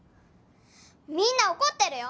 みんな怒ってるよ